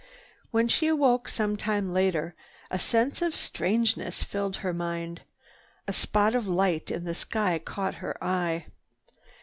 When she awoke some time later, a sense of strangeness filled her mind. A spot of light in the sky caught her eye.